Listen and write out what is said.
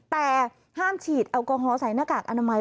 แต่ห้ามฉีดแอลกอฮอล์ใส่หน้ากากอนามัย